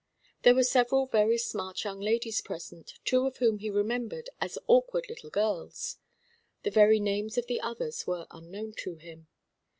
There were several very smart young ladies present, two of whom he remembered as awkward little girls. The very names of the others were unknown to him.